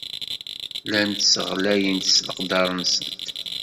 Llant sseɣlayent s leqder-nsent.